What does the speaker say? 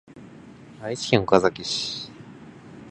愛知県岡崎市